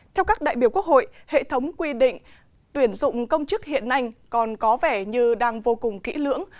theo các đại biểu quốc hội hệ thống quy định tuyển dụng công chức hiện nay còn có vẻ như đang vô cùng kỹ lưỡng